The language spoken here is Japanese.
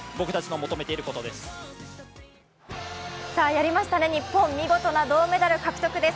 やりましたね、日本、見事な銅メダル獲得です。